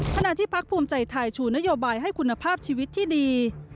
ขณะที่พักภูมิใจไทยชูนโยบายให้คุณภาพชีวิตที่ดี